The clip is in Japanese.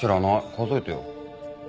数えてよ。